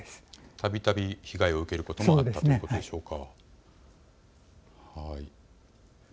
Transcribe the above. たびたび被害を受けることもあったということでしょうか。